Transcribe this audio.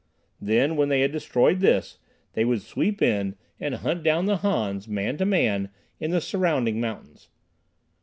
Then, when they had destroyed this, they would sweep in and hunt down the Hans, man to man, in the surrounding mountains.